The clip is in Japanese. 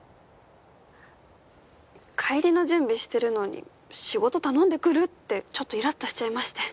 帰りの準備してるのに仕事頼んでくる？ってちょっとイラっとしちゃいまして。